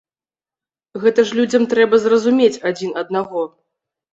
Гэта ж людзям трэба зразумець адзін аднаго.